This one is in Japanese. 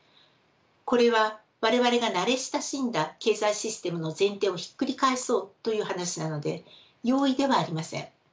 これは我々が慣れ親しんだ経済システムの前提をひっくり返そうという話なので容易ではありません。